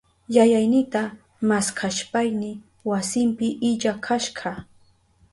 Yayaynita maskashpayni wasinpi illa kashka.